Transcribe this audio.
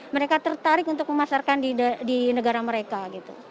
mereka tertarik untuk memasarkan di negara mereka gitu